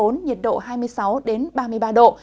nhiệt độ hai mươi sáu ba mươi ba độ